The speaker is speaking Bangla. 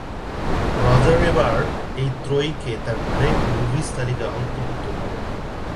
রজার এবার্ট এই ত্রয়ীকে তার "গ্রেট মুভিজ" তালিকায় অন্তর্ভুক্ত করেন।